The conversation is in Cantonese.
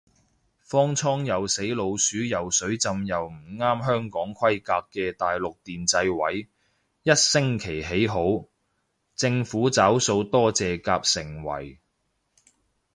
方艙又死老鼠又水浸又唔啱香港規格嘅大陸電掣位，一星期起好，政府找數多謝夾盛惠